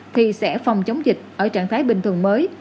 thì sẽ phòng chống dịch ở trạng thái bình thường mới